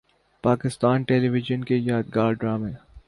Pakistan television کے یادگار ڈرامے